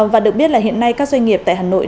và được biết là hiện nay các doanh nghiệp tại hà nội